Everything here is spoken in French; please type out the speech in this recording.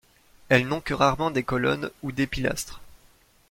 Elles n’ont que rarement des colonnes ou des pilastres.